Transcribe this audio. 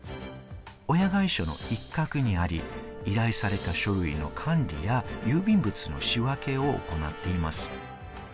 親会社の一角にあり、依頼された書類の管理や郵便物の仕分けを行っています。